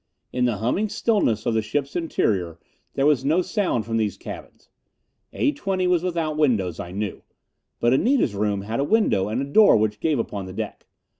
In the humming stillness of the ship's interior there was no sound from these cabins. A 20 was without windows, I knew. But Anita's room had a window and a door which gave upon the deck.